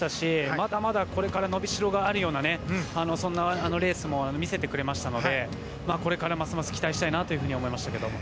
まだまだこれから伸びしろがあるようなそんなレースも見せてくれましたのでこれからますます期待したいなと思いましたけども。